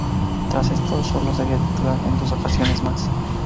Tras esto, solo sería titular en dos ocasiones más.